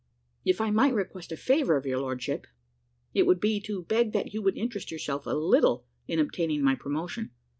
"If I might request a favour of your lordship, it would be to beg that you would interest yourself a little in obtaining my promotion.